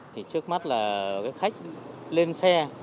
trước mắt là khách lên xe